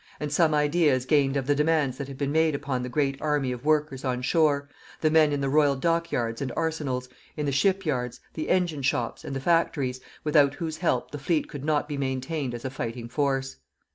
and some idea is gained of the demands that have been made upon the great army of workers on shore, the men in the Royal dockyards and arsenals, in the shipyards, the engine shops, and the factories, without whose help the Fleet could not be maintained as a fighting force.